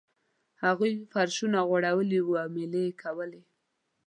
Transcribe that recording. هغوی فرشونه غوړولي وو او میلې یې کولې.